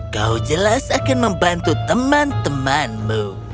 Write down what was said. kau jelas akan membantu teman temanmu